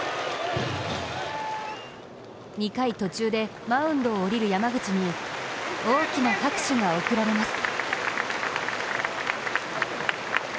２回途中でマウンドを降りる山口に大きな拍手が送られます。